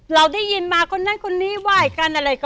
เราได้ยินมาคนนั้นคนนี้ไหว้กันอะไรก็